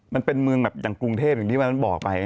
มันเป็นเมืองแบบอย่างกรุงเทพอย่างที่วันนั้นบอกไป